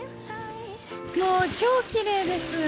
もう超きれいです。